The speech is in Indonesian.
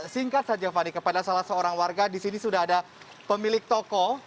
singkat saja fani kepada salah seorang warga di sini sudah ada pemilik toko